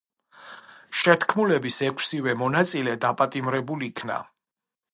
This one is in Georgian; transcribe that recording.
შეთქმულების ექვსივე მონაწილე დაპატიმრებულ იქნა.